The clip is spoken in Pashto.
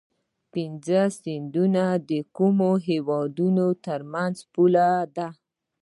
پنج سیند د کومو هیوادونو ترمنځ پوله ده؟